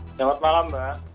selamat malam mbak